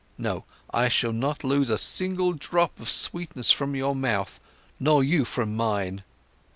No, I shall not lose a single drop of sweetness from your mouth, nor you from mine!